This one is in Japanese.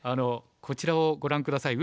こちらをご覧下さい。